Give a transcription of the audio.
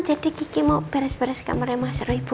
jadi kiki mau beres beres kamarnya mas roy bu